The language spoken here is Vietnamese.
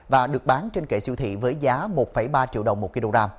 và được bán trên kệ siêu thị với giá một ba triệu đồng một kg